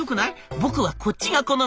僕はこっちが好み！」。